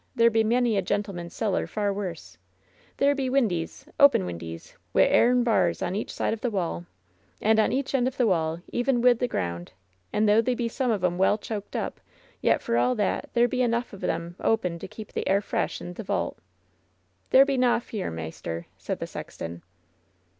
There be many a gentleman*s cellar far worse. There be windys •— open windys — wi* aim bars on each side of the wall, and on each end of the wall even wi* the ground, and though they be some of *em well choked up, yet for all that there be enough o* them open to keep the air fresh i* the vault. There be na fear, maister, said the sexton.